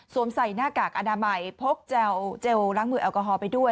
ใส่หน้ากากอนามัยพกเจลล้างมือแอลกอฮอล์ไปด้วย